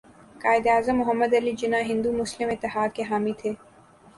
قائداعظم محمد علی جناح ہندو مسلم اتحاد کے حامی تھے